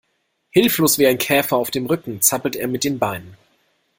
Hilflos wie ein Käfer auf dem Rücken zappelt er mit den Beinen.